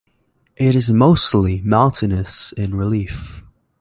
It is mostly mountainous in relief.